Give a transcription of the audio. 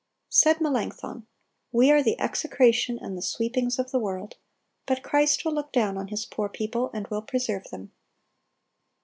Said Melanchthon, "We are the execration and the sweepings of the world; but Christ will look down on His poor people, and will preserve them."